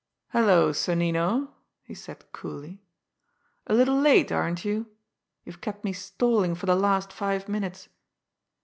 "Hello, Sonnino!" he said coolly. "A little late, aren't you? You've kept me stalling for the last five minutes.